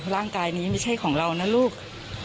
ร่างกายนี้ไม่ใช่ของเรานะลูก